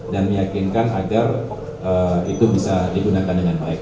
dan meyakinkan agar itu bisa digunakan dengan baik